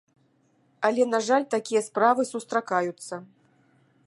Але, на жаль, такія справы сустракаюцца.